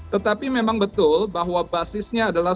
tetapi memang betul bahwa basisnya adalah